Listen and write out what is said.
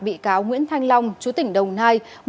bị cáo nguyễn thanh long chú tỉnh đồng nai